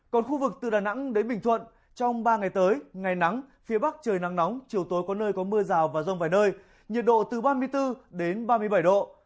còn khu vực từ đà nẵng đến bình thuận trong ba ngày tới ngày nắng phía bắc trời nắng nóng chiều tối có nơi có mưa rào và rông vài nơi nhiệt độ từ ba mươi bốn đến ba mươi bảy độ